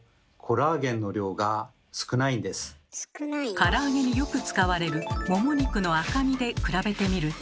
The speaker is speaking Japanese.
から揚げによく使われるもも肉の赤身で比べてみると。